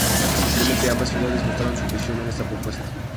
Inicialmente, ambas ciudades mostraron su oposición a esta propuesta.